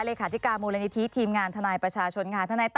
เลยระขาติกามวลณิธิทีมงานทนายประชาชนทนายตั้มสวัสดีค่ะ